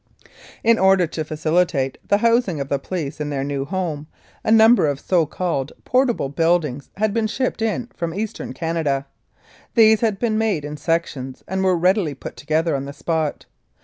In order to facilitate the housing of the police in their new home, a number of so called "portable " build ings had been shipped in from Eastern Canada. These had been made in sections, and were readily put together on the spot.